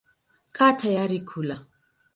Kaa tayari kula.